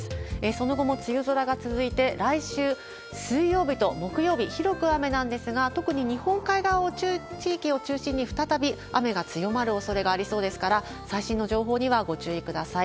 その後も梅雨空が続いて、来週水曜日と木曜日、広く雨なんですが、特に日本海側地域を中心に再び雨が強まるおそれがありそうですから、最新の情報にはご注意ください。